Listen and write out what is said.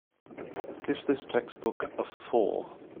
give this textbook a four